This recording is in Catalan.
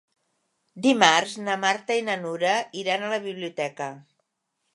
Dimarts na Marta i na Nura iran a la biblioteca.